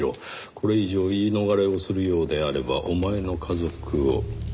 「これ以上言い逃れをするようであればお前の家族を」。